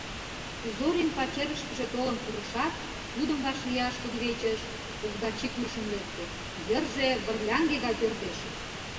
Зорин пачерышкыже толын пурышат, тудым вашлияш кудывечыш Овдачи куржын лекте, йырже вырляҥге гай пӧрдеш.